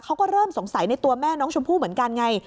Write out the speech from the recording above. เขาก็เริ่มสงสัยในตัวแม่น้องชมพู่เหมือนกันไง